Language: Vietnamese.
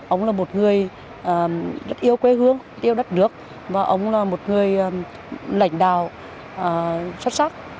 ông là một người rất yêu quê hương yêu đất nước và ông là một người lãnh đạo xuất sắc